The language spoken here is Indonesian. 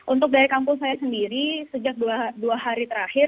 untuk dari kampung saya sendiri sejak dua hari terakhir